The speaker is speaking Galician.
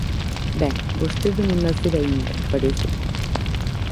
Ben, vostede non nacera aínda, paréceme.